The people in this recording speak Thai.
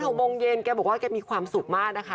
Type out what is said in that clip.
๖โมงเย็นแกบอกว่าแกมีความสุขมากนะคะ